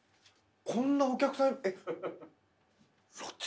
こんなお客さん。